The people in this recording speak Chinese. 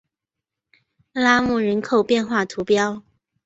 拉穆人口变化图示